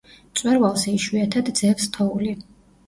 მწვერვალზე იშვიათად ძევს თოვლი.